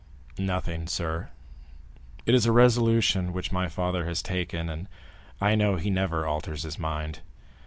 "Nothing, sir; it is a resolution which my father has taken and I know he never alters his mind.